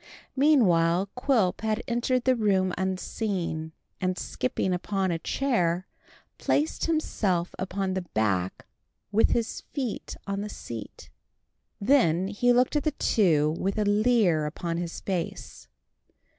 Meanwhile Quilp had entered the room unseen, and skipping upon a chair, placed himself upon the back with his feet on the seat. Then he looked at the two with a leer upon his face.